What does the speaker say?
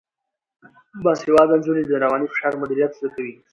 باسواده نجونې د رواني فشار مدیریت زده کوي.